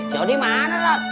yaudah dimana lok